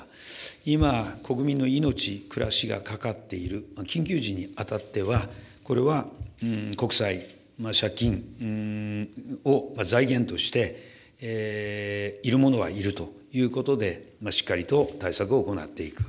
今、国民の命、暮らしがかかっている緊急時にあたっては、これは国債、借金を財源として、いるものはいるということで、しっかりと対策を行っていく。